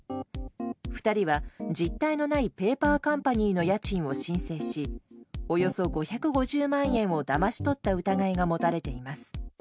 ２人は実体のないペーパーカンパニーの家賃を申請しおよそ５５０万円をだまし取った疑いが持たれています。